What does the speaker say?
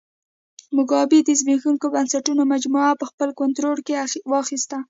موګابي د زبېښونکو بنسټونو مجموعه په خپل کنټرول کې واخیسته.